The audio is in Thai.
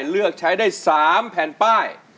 เลือกใช้ได้๓แผ่นป้าย